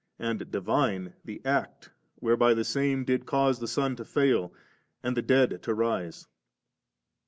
and divine the act whereby the Same did cause the sun to fail and the dead to rise.